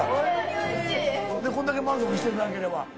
こんだけ満足していただければ。